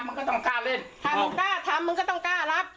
ถ้าถึงปุ๊บคุยกันรึ่มจะมาจับลูกฉันเลย